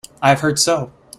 I have heard so.